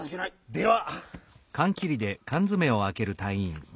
では。